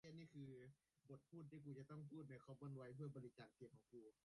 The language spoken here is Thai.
คอนกรีตเอาไว้ประสานก้อหินเข้าด้วยกัน